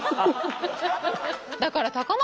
だから高松